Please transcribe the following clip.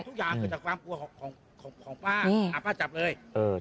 ทุกอย่างเกิดจากความกลัวของป้าป้าจับเลย